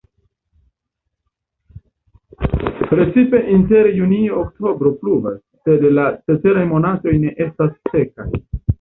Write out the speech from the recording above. Precipe inter junio-oktobro pluvas, sed la ceteraj monatoj ne estas sekaj.